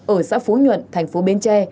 ở xã phú nhuận thành phố bến tre